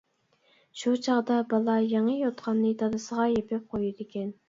شۇ چاغدا بالا يېڭى يوتقاننى دادىسىغا يېپىپ قويىدىكەن.